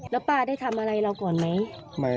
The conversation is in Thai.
แล้วป้าได้ทำอะไรเราก่อนไหม